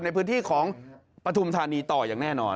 ในพื้นที่ของปฐุมธานีต่ออย่างแน่นอน